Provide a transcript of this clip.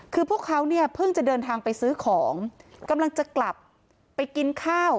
คือพวกเขาเนี่ยเพิ่งจะเดินทางไปซื้อของกำลังจะกลับไปกินข้าว